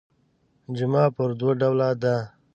جمعه پر دوه ډوله ده.